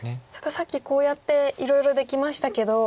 さっきこうやっていろいろできましたけど。